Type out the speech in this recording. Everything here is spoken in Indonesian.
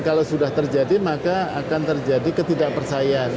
kalau sudah terjadi maka akan terjadi ketidakpercayaan